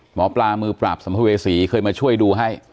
หมอปลามือปราบสัมภเวษีเคยมาช่วยดูให้